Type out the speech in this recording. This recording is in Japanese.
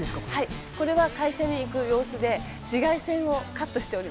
「これは会社に行く様子で紫外線をカットしております」